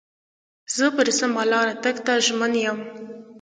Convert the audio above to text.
زه پر سمه لار تګ ته ژمن یم.